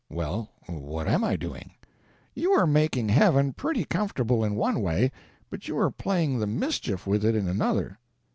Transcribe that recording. "Well, what am I doing?" "You are making heaven pretty comfortable in one way, but you are playing the mischief with it in another."